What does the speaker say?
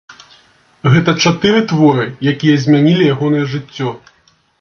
Гэта чатыры творы, якія змянілі ягонае жыццё.